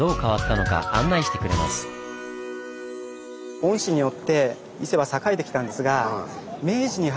御師によって伊勢は栄えてきたんですが何ですかね？